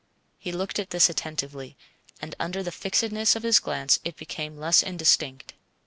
He looked at this attentively, and under the fixedness of his glance it became less indistinct.